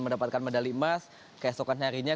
mendapatkan medali emas keesokan harinya